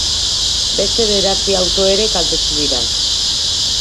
Beste bederatzi auto ere kaltetu dira.